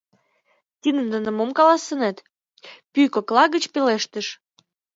— Тидын дене мом каласынет? — пӱй кокла гыч пелештыш.